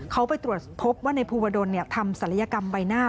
เขาไปตรวจพบว่าในภูวดลทำศัลยกรรมใบหน้า